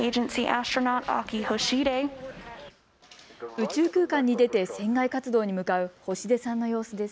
宇宙空間に出て船外活動に向かう星出さんの様子です。